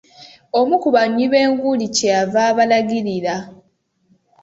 Omu ku banywi b'enguuli kyeyava abalagirira.